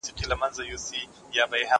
هغه څوک چي نان خوري قوي وي؟